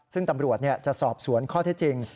ซึ่งตำรวจจะสอบสวนข้อเท็จจริง